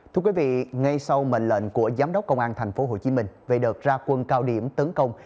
thưa quý vị ngay sau mệnh lệnh của giám đốc công an tp hcm về đợt ra quân cao điểm tấn công